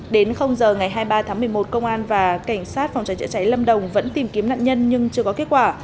đến giờ ngày hai mươi ba tháng một mươi một công an và cảnh sát phòng cháy chữa cháy lâm đồng vẫn tìm kiếm nạn nhân nhưng chưa có kết quả